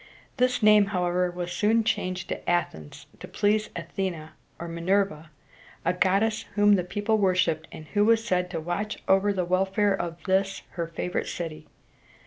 This name, however, was soon changed to Ath´ens to please A the´ne (or Mi ner´va), a goddess whom the people worshiped, and who was said to watch over the welfare of this her favorite city.